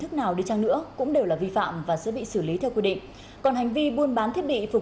cái này không ở nhà đâu